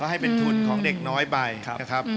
ให้เป็นทุนของเด็กน้อยไปนะครับ